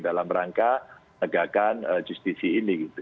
dalam rangka penegakan justisi ini